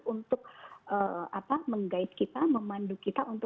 untuk kita gunakan